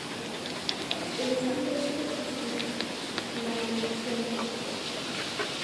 El estilo es persistente, glabrescente.